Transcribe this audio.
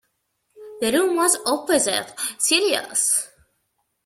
The room was opposite Celia's.